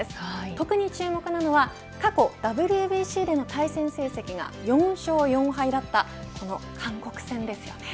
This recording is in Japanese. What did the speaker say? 特に注目なのは過去ＷＢＣでの対戦成績が４勝４敗だったこの韓国戦ですよね。